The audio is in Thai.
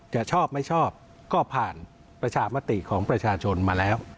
จะชอบไม่ชอบก็ผ่านประชามติของประชาชนมาแล้ว